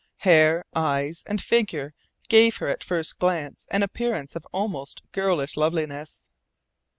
Hair, eyes, and figure gave her at first glance an appearance of almost girlish loveliness.